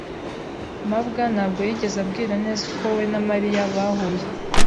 mabwa ntabwo yigeze ambwira neza uko we na Mariya bahuye.